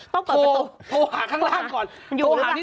ต้องเปิดประตูโทรหาข้างล่างก่อนโทรหานิติบอกว่าต้องเปิดประตูโทรหาข้างล่างก่อน